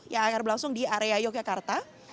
yang akan berlangsung di area yogyakarta